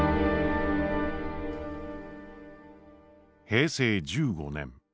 平成１５年。